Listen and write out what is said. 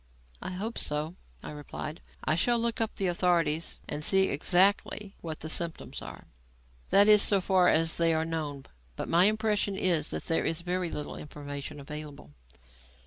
"I hope so," I replied. "I shall look up the authorities and see exactly what the symptoms are that is, so far as they are known; but my impression is that there is very little information available."